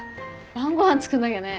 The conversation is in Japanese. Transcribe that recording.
晩ご飯作んなきゃね。